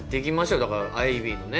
だからアイビーのね